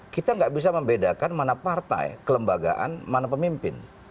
kita nggak bisa membedakan mana partai kelembagaan mana pemimpin